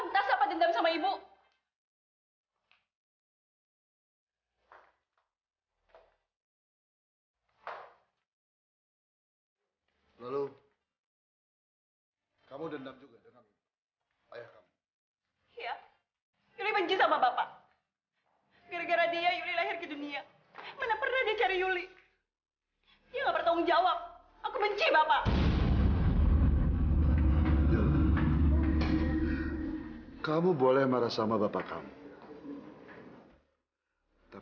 tapi kamu tidak boleh marah sama ibu kamu